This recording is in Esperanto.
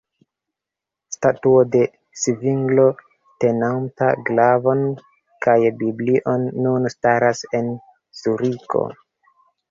Statuo de Zvinglo tenanta glavon kaj Biblion nun staras en Zuriko.